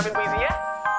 mased balik duluan